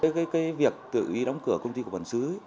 cái việc tự ý đóng cửa công ty của bát tràng